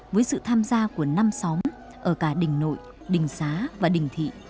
với sự tham gia của năm xóm ở cả đình nội đình xá và đình thị